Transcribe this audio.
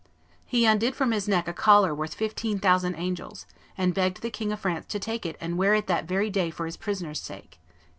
He undid from his neck a collar worth fifteen thousand angels, and begged the King of France to take it and wear it that very day for his prisoner's sake.